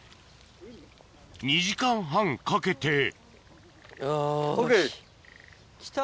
２時間半かけてよし。ＯＫ。来た。